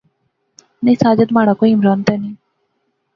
نئیں ساجد مہاڑا کوئی عمران تے نئیں